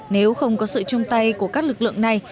nếu không có sự chung tay của các lực lượng này